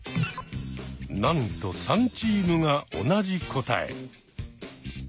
なんと３チームが同じ答え。